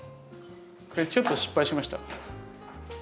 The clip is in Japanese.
これちょっと失敗しました。